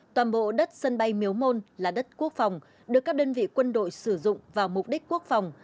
toàn bộ đất sân bay miếu môn là đất quốc phòng được các đơn vị quân đội sử dụng vào mục đích quốc phòng